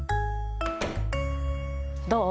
どう？